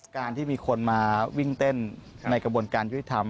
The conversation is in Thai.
การที่มีคนมาวิ่งเต้นในกระบวนการยุติธรรม